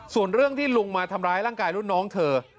ส่วนเรื่องที่ลุงมาทำร้ายร่างกายรุ่นน้องเธอ